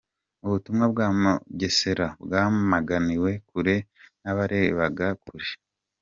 Ubutumwa bwa Mugesera bwamaganiwe kure n’abarebaga kure.